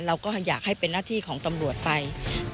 เราก็อยากให้เป็นหน้าที่ของตำรวจไป